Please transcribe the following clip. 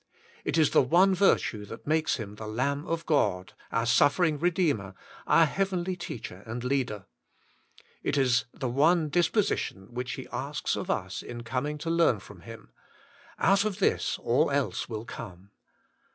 '' It is the one virtue that makes Him the Lamb of God, our suffering Redeemer, our heavenly Teacher and Leader. It is the one dis position which He asks of us in coming to learn from Him: out of this all else will come.